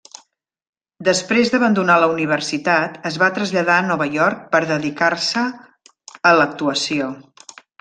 Després d'abandonar la universitat es va traslladar a Nova York per dedicar-se a l'actuació.